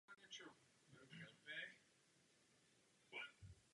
Takovýto strom se označuje jako banka filtrů.